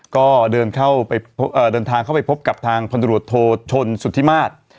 ก็เดินทางเข้าไปพบกับทางคณะรวดโทษชนสุธิมาตร